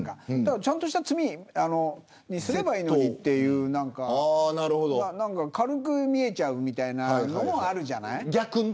ちゃんとした罪にすればいいのにって軽く見えちゃうみたいなのはあるじゃない。